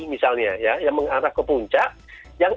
misalnya ya yang mengarah ke puncak yang